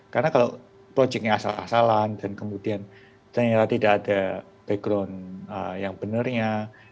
karena kalau projectnya asal asalan dan kemudian ternyata tidak ada background yang benarnya